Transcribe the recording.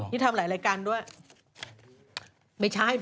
นี่ทำหลายรายการด้วย